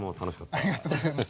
ありがとうございます。